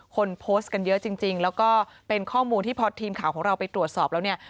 คนโพสต์กันเยอะจริงแล้วก็เป็นข้อมูลที่พอทีมข่าวของเราไปตรวจสอบแล้วเนี่ย